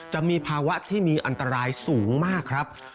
จะมีภาวะที่มีอันตรายสูงมากครับ